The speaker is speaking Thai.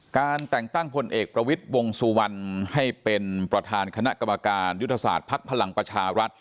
การแต่งตั้งพลเอกประวิทย์วงสุวรรณให้เป็นประธานคณะกรรมการยุทธศาสตร์ภักดิ์พลังประชารัฐ